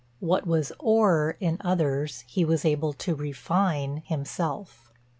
What was ore in others, he was able to refine himself.